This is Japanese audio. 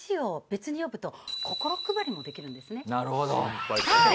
なるほど。